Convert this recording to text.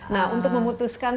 nah untuk memutuskan